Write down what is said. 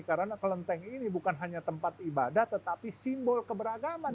karena kelenteng ini bukan hanya tempat ibadah tetapi simbol keberadaan